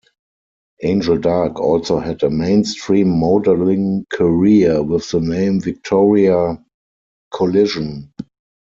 Angel Dark also had a mainstream modelling career with the name Viktoria Cullison.